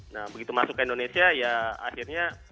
nah begitu masuk ke indonesia ya akhirnya